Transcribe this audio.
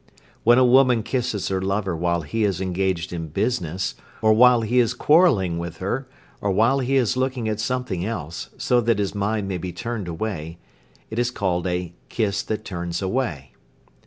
When a woman kisses her lover while he is engaged in business, or while he is quarrelling with her, or while he is looking at something else, so that his mind may be turned away, it is called a "kiss that turns away."